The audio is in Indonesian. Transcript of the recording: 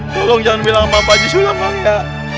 tolong jangan bilang sama pak haji sulam bang ya